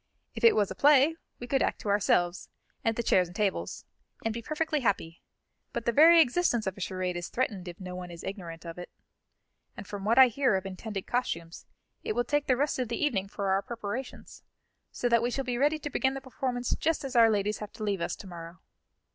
"If it was a play, we could act to ourselves, and the chairs and tables, and be perfectly happy; but the very existence of a charade is threatened if no one is ignorant of it. And from what I hear of intended costumes, it will take the rest of the evening for our preparations, so that we shall be ready to begin the performance just as our ladies have to leave us to morrow."